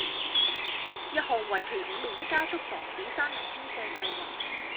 一項為期五年的加速防止山泥傾瀉計劃